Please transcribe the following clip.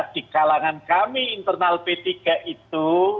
di kalangan kami internal p tiga itu